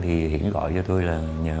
hiển gọi cho tôi là